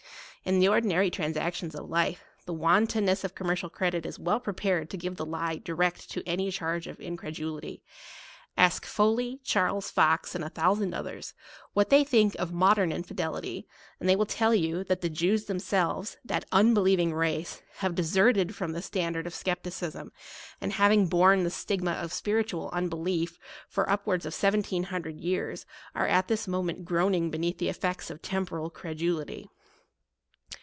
In the ordinary transactions of life, the wantonness of commercial credit is well prepared to give the lie direct to any charge of incredulity. Ask Foley, Charles Fox, and a thousand others, what they think of mod ern infidelity ; and they will tell you, that the Jeius themselves, that unbelieving race, have deserted from the standard of skepticism, and, having borne the stigma of spiritual unbelief, 171 for upwards of seventeen hundred years, are at this moment groaning beneath the effects of temporal credulity.